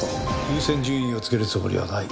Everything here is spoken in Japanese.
優先順位をつけるつもりはない。